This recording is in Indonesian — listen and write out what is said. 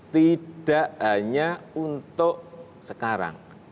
tidak hanya untuk sekarang